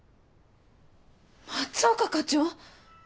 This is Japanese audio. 松岡課長！？